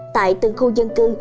tại từng khu dân cư